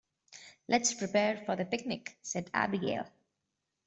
"Let's prepare for the picnic!", said Abigail.